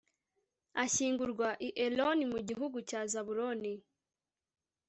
ashyingurwa i eloni mu gihugu cya zabuloni